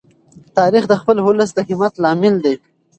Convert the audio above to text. تاریخ د خپل ولس د همت لامل دی.